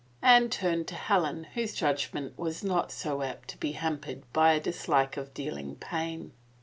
Anne turned to Helen whose judgment was not so apt to be hampered by a dislike of dealing pain.